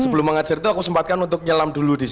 sebelum mengajar itu aku sempatkan untuk nyelam dulu di sini